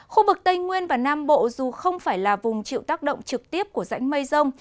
khu vực tây nguyên và nam bộ dù không phải là vùng chịu tác động trực tiếp của rãnh mây rông